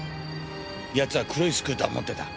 奴は黒いスクーターを持ってた。